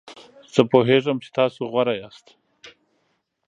زه پوهیږم چې تاسو غوره یاست.